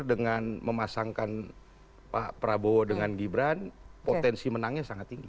dengan memasangkan pak prabowo dengan gibran potensi menangnya sangat tinggi